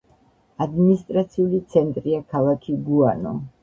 ადმინისტრაციული ცენტრია ქალაქი გუანო.